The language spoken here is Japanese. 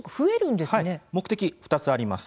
目的は２つあります。